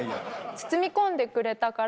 包み込んでくれたから。